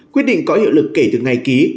quyết định có hiệu lực kể từ ngày ký